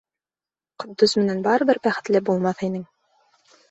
Ҡотдос менән барыбер бәхетле булмаҫ инең.